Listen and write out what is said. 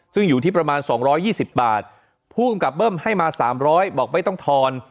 ซึ่งอยู่ที่ประมาณ๒๒๐บาทภูมิกับเบิ้มให้มา๓๐๐บอกไม่ต้องทอน